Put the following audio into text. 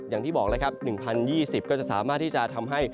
อย่างที่บอกแล้วครับ๑๐๒๐ก็จะสามารถที่จะทำให้